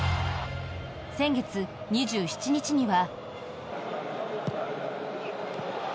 先月２７日には。